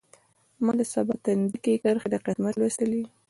ما د سبا تندی کې کرښې د قسمت لوستلي